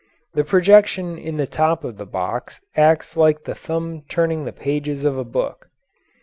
The projection in the top of the box acts like the thumb turning the pages of a book.